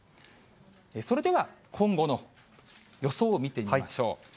それでは今後の予想を見てみましょう。